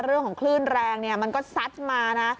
เรื่องของคลื่นแรงเนี่ยมันก็ซัดมานะ